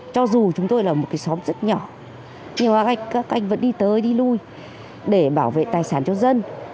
cho dù chúng tôi là một cái xóm rất nhỏ nhưng các anh vẫn đi tới đi lui để bảo vệ tài sản cho dân